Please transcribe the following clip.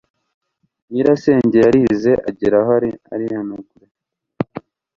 nyirasenge yarize ageraho arihanagura